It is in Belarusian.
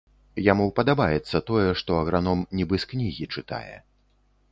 Яму падабаецца тое, што аграном нібы з кнігі чытае.